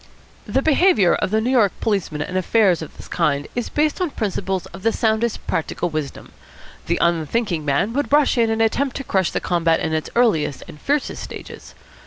The behaviour of the New York policeman in affairs of this kind is based on principles of the soundest practical wisdom. The unthinking man would rush in and attempt to crush the combat in its earliest and fiercest stages.